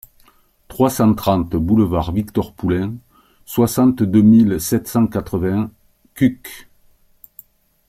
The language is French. trois cent trente boulevard Victor Poulain, soixante-deux mille sept cent quatre-vingts Cucq